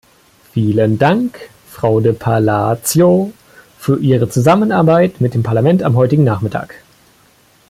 Vielen Dank, Frau de Palacio, für Ihre Zusammenarbeit mit dem Parlament am heutigen Nachmittag.